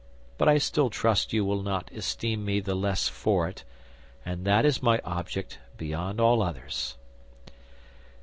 But I still trust you will not esteem me the less for it, and that is my object beyond all others."